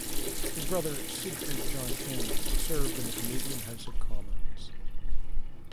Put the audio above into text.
His brother Siegfried John Enns served in the Canadian House of Commons.